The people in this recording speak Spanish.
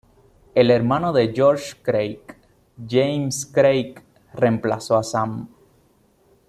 El hermano de George Craig, James Craig, reemplazó a Sam.